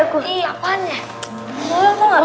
kursi apaan ya